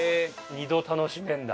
二度楽しめるんだ。